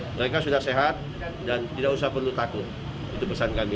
mereka sudah sehat dan tidak usah perlu takut itu pesan kami